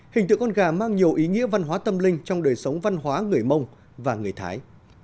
hình tượng con gà mang nhiều ý nghĩa văn hóa tâm linh trong đời sống văn hóa người mông và người thái